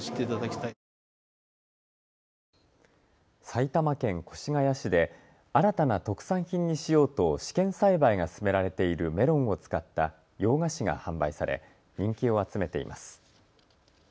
埼玉県越谷市で新たな特産品にしようと試験栽培が進められているメロンを使った洋菓子が販売され人気を集めています。